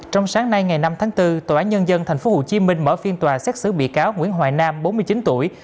trong sáng nay ngày năm tháng bốn tòa án nhân dân thành phố hồ chí minh mở phiên tòa xét xứ bị cáo nguyễn hoài nam bốn mươi chín tuổi